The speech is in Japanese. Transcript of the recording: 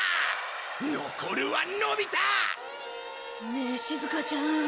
ねえしずかちゃん